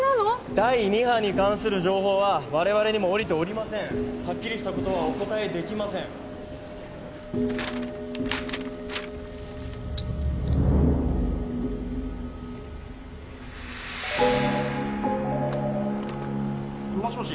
第二波に関する情報は我々にもおりておりませんはっきりしたことはお答えできませんもしもし？